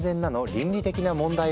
倫理的な問題は？